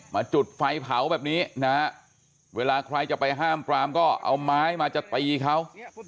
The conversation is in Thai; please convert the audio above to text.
จุดไฟเผาแบบนี้นะฮะเวลาใครจะไปห้ามปรามก็เอาไม้มาจะตีเขา